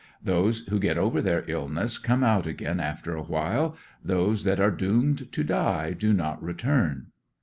Those who get over their illness come out again after a while; those that are doomed to die do not return.)